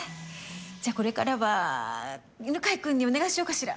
じゃあこれからは犬飼君にお願いしようかしら。